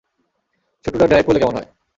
শুটুদা drive করলে কেমন হয়?